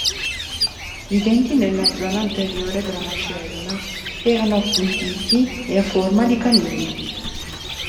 I denti nella zona anteriore della mascella erano appuntiti e a forma di canini.